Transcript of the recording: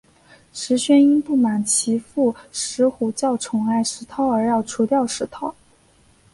石宣因不满其父石虎较宠爱石韬而要除掉石韬。